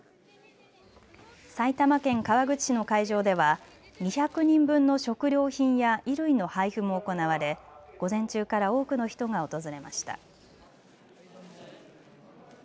埼玉県川口市の会場では２００人分の食料品や衣類の配布も行われ午前中から多くの人が訪れました。